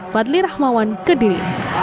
fadli rahmawan kediri